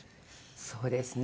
そうですね。